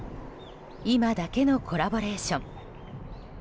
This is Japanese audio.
今だけのコラボレーション。